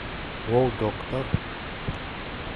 О удоктор?